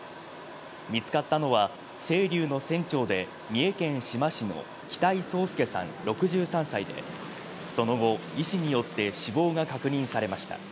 見つかったのはせいりゅうの船長で、三重県志摩市の北井宗祐さん６３歳で、その後、医師によって死亡が確認されました。